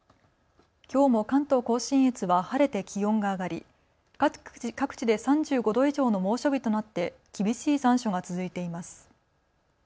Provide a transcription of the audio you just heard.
きょうも関東甲信越は晴れて気温が上がり各地で３５度以上の猛暑日となって厳しい残暑が続いています。